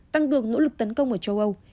tăng cường nỗ lực tấn công ở châu âu